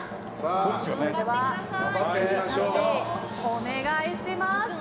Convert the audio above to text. それでは、お願いします！